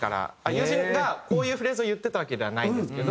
友人がこういうフレーズを言ってたわけではないんですけど。